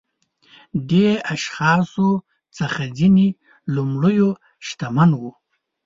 دې اشخاصو څخه ځینې لومړيو شتمن وو.